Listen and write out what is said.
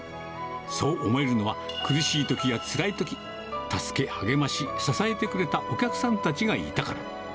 そう思えるのは、苦しいときやつらいとき、助け励まし支えてくれたお客さんたちがいたから。